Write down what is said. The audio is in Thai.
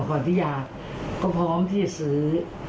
ก่อนที่อยากก็พร้อมที่จะสือ